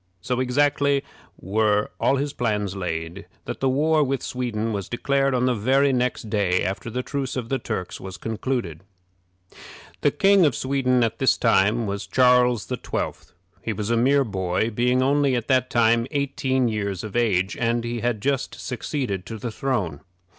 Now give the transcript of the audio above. So exactly were all his plans laid, that the war with Sweden was declared on the very next day after the truce of the Turks was concluded. The King of Sweden at this time was Charles XII. He was a mere boy, being only at that time eighteen years of age, and he had just succeeded to the throne.